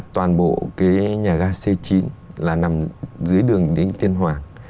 toàn bộ cái nhà ga xây chín là nằm dưới đường đến tiên hoàng